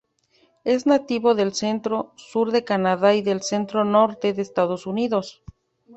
Es nativo del centro-sur de Canadá y del centro-norte de Estados Unidos.